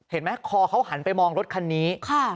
เห็นไหมคอเขาหันไปมองรถคันนี้